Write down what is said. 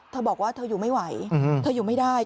เธอบอกว่าเธออยู่ไม่ไหวเธออยู่ไม่ได้